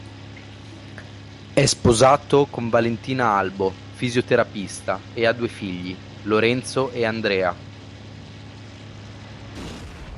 È sposato con Valentina Albo, fisioterapista, e ha due figli: Lorenzo e Andrea.